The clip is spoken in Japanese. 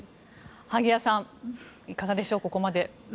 萩谷さん、いかがでしょうここまで。